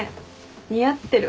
似合ってる。